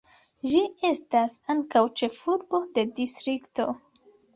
Ĝi estas ankaŭ ĉefurbo de distrikto.